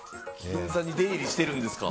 銀座に出入りしてるんですか。